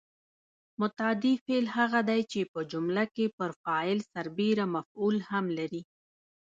متعدي فعل هغه دی چې په جمله کې پر فاعل سربېره مفعول هم لري.